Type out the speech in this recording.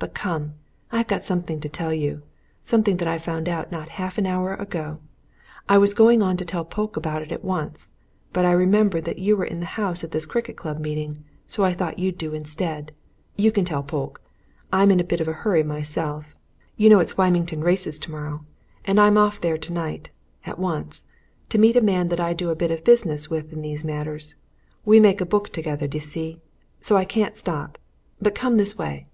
"But come! I've got something to tell you something that I found out not half an hour ago. I was going on to tell Polke about it at once, but I remembered that you were in the house at this cricket club meeting, so I thought you'd do instead you can tell Polke. I'm in a bit of a hurry myself you know it's Wymington Races tomorrow, and I'm off there tonight, at once, to meet a man that I do a bit of business with in these matters we make a book together, d'ye see so I can't stop. But come this way."